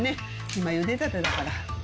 今ゆでたてだから。